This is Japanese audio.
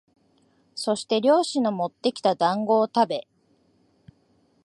そして猟師のもってきた団子をたべ、